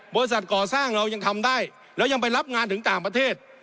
บริษัทก่อสร้างเรายังทำได้แล้วยังไปรับงานถึงต่างประเทศ